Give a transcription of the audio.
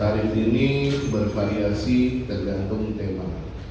tarif ini bervariasi tergantung tema